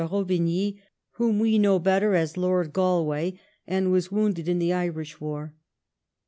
man De Rouvigny, whom we know better as Lord Galway, and was wounded in the Irish war.